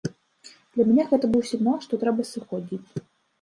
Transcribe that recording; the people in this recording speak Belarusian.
Для мяне гэта быў сігнал, што трэба сыходзіць.